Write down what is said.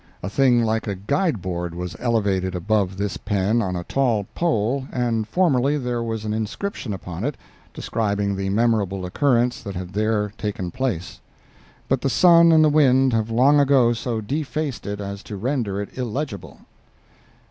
A thing like a guideboard was elevated above this pen on a tall pole and formerly there was an inscription upon it describing the memorable occurrence that had there taken place; but the sun and the wind have long ago so defaced it as to render it illegible.